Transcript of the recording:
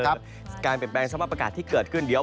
การเป็นแบงค์ช่องมาประกาศที่เกิดขึ้นเดี๋ยว